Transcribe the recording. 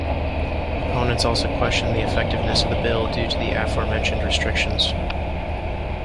Opponents also question the effectiveness of the bill due to the aforementioned restrictions.